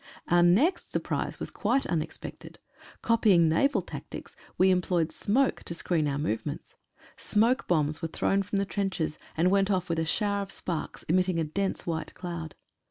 Our next surprise was quite unexpected. Copying naval tactics we employed smoke to screen our movements. Smoke bombs were thrown from the trenches, and went off with a shower of sparks, emitting a dense white cloud.